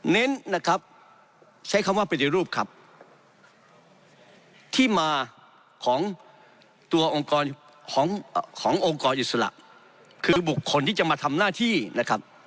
เน้นนะครับใช้คำว่าปฏิรูปครับที่มาของตัวองค์กรขององค์กรอิสระคือบุคคลที่จะมาทำหน้าที่นะครับ